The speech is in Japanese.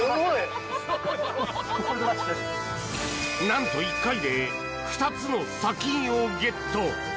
何と１回で２つの砂金をゲット。